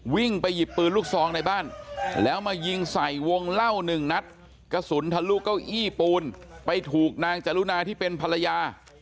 วิ่งไปหยิบปืนลูกซองในบ้านแล้วมายิงใส่วงเล่าหนึ่งนัดกระสุนทะลุเก้าอี้ปูนไปถูกนางจรุณาที่เป็นภรรยา